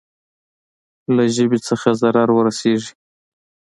له ژبې نه ضرر ورسېږي.